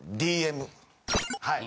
はい。